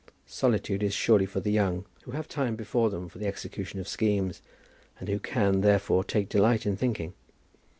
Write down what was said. Solitude is surely for the young, who have time before them for the execution of schemes, and who can, therefore, take delight in thinking.